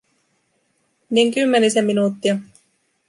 Niin kymmenisen minuuttia.